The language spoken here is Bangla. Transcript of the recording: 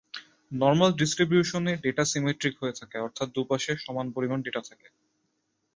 নরমাল ডিস্ট্রিবিউশনের ডেটা সিমেট্রিক হয়ে থাকে অর্থাৎ দুপাশে সমান পরিমান ডেটা থাকে।